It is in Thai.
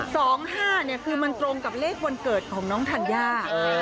สองห้าเนี่ยคือมันตรงกับเลขวันเกิดของน้องธัญญา